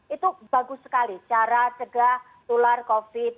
itu bagus sekali cara cegah tular covid sembilan belas